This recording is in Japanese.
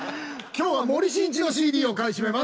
今日は森進一のＣＤを買い占めます。